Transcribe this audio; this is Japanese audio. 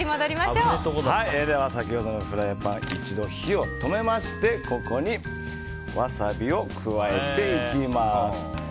先ほどのフライパン一度火を止めましてここにワサビを加えていきます。